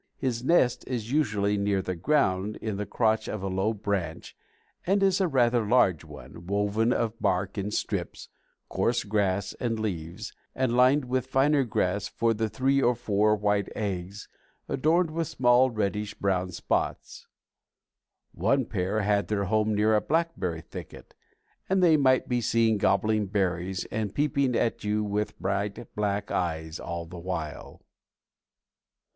His nest is usually near the ground in the crotch of a low branch and is a rather large one, woven of bark in strips, coarse grass and leaves, and lined with finer grass for the three or four white eggs, adorned with small reddish brown spots. One pair had their home near a blackberry thicket, and they might be seen gobbling berries and peeping at you with bright black eyes all the while.